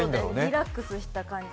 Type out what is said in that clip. リラックスした感じ。